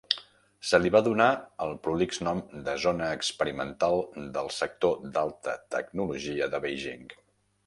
Se li va donar el prolix nom de Zona Experimental del Sector d'Alta Tecnologia de Beijing